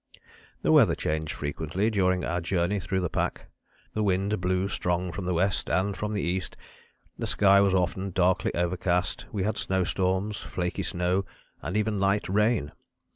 "The weather changed frequently during our journey through the pack. The wind blew strong from the west and from the east; the sky was often darkly overcast; we had snowstorms, flaky snow, and even light rain.